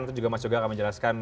nanti juga mas yoga akan menjelaskan